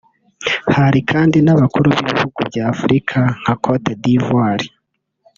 Hari kandi n’abakuru b’ibihugu bya Afurika nka Côte d’Ivoire